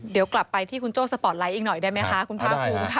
เดี๋ยวกลับไปที่คุณโจ้สปอร์ตไลท์อีกหน่อยได้ไหมคะคุณภาคภูมิค่ะ